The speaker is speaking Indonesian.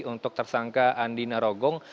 untuk tersangka andi narogong